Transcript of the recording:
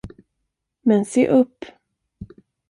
Men se upp.